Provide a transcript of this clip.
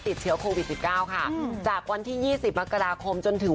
ติดเชื้อโควิด๑๙ค่ะจากวันที่๒๐มกราคมจนถึง